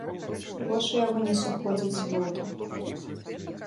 Вочы яго не сыходзяць з бота.